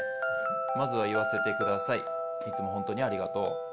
まずは言わせてくださいいつも本当にありがとう。